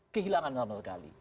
kehilangan lama sekali